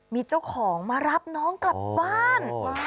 มีเจ้าของมารับน้องกลับบ้าน